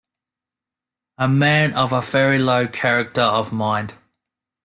A man of a very low character of mind.